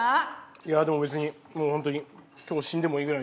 いやでも別にもうホントに。